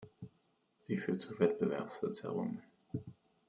Sie führt zu Wettbewerbsverzerrungen.